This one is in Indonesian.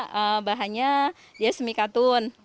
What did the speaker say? misalnya dia semi katun